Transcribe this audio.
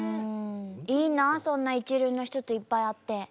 いいなそんな一流の人といっぱい会って。